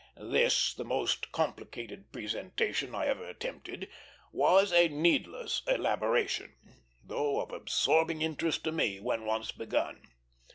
This, the most complicated presentation I ever attempted, was a needless elaboration, though of absorbing interest to me when once begun.